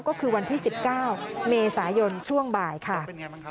ก็คือวันที่๑๙เมษายนช่วงบ่ายค่ะ